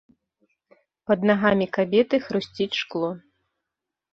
Пад нагамі кабеты хрусціць шкло.